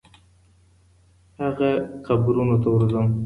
هغه قبرو ته ورځم